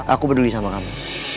aku peduli sama kamu